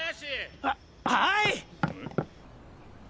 ・ははい！！